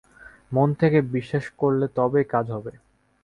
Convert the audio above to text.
মন থেকে বিশ্বাস করলে তবেই কাজ হবে।